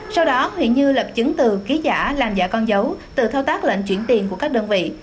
sau đó huỳnh như lập chứng từ ký giả làm giả con dấu từ thao tác lệnh chuyển tiền của các đơn vị